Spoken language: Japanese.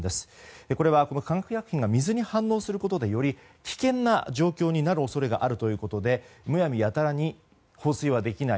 これは化学薬品が水に反応することでより危険な状況になる恐れがあるということでむやみやたらに放水はできない。